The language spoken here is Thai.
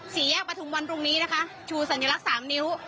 สี่แยกประทุมวันตรงนี้นะคะชูสัญลักษณ์สามนิ้ว